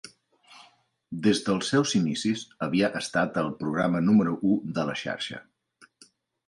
Des dels seus inicis, havia estat el programa número u de la xarxa.